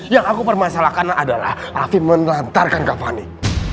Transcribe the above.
yang aku permasalahkan adalah afif menelantarkan kak fani